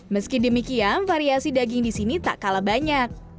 meski demikian variasi daging di sini tak kalah banyak